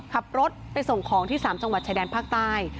ขับรถส่งของสถานีชายแดนภาคใต้